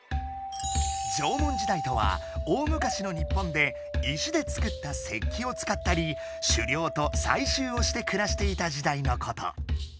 ⁉縄文時代とは大昔の日本で石で作った「石器」を使ったり「しゅりょうとさいしゅう」をしてくらしていた時代のこと。